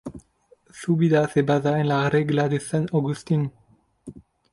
Su vida se basa en la Regla de San Agustín.